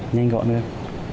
nhanh gọn hơn